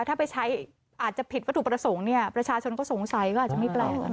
ถ้าไปใช้อาจจะผิดวัตถุประสงค์เนี่ยประชาชนก็สงสัยก็อาจจะไม่แปลก